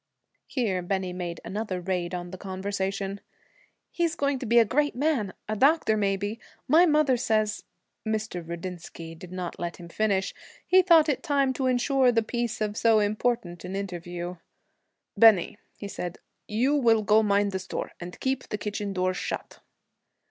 Here Bennie made another raid on the conversation. 'He's going to be a great man, a doctor maybe. My mother says ' Mr. Rudinsky did not let him finish. He thought it time to insure the peace of so important an interview. 'Bennie,' said he, 'you will go mind the store, and keep the kitchen door shut.'